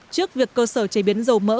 trước việc cơ sở chế biến dầu mỡ